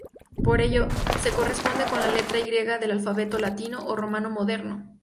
Por ello, se corresponde con la letra Y del alfabeto latino o romano moderno.